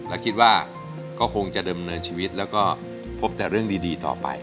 และคิดว่าก็คงจะดำเนินชีวิตแล้วก็พบแต่เรื่องดีต่อไป